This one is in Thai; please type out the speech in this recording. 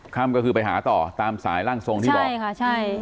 ค่ำก็คือไปหาต่อตามสายร่างทรงที่บอกใช่ค่ะใช่